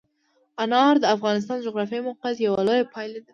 انار د افغانستان د جغرافیایي موقیعت یوه لویه پایله ده.